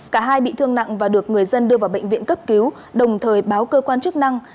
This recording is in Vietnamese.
cả hai bị thương nặng và được người dân đưa vào bệnh viện cấp cứu đồng thời báo cơ quan chức năng